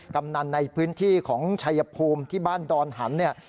กำนันในพื้นที่ของชัยภูมิที่บ้านดอนหันเนี่ย